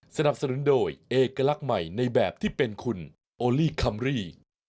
สนับสนุนโดยเอกลักษณ์ใหม่ในแบบที่เป็นคุณโอลี่คัมรี่